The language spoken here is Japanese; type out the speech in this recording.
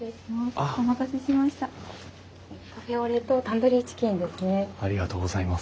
ありがとうございます。